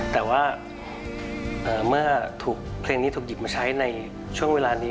แต่ว่าเมื่อถูกเพลงนี้ถูกหยิบมาใช้ในช่วงเวลานี้